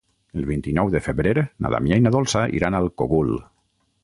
El vint-i-nou de febrer na Damià i na Dolça iran al Cogul.